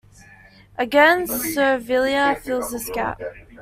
Again, Servilia fills this gap.